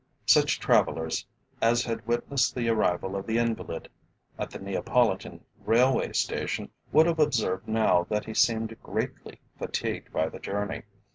Such travellers as had witnessed the arrival of the invalid at the Neapolitan railway station, would have observed now that he seemed greatly fatigued by the journey.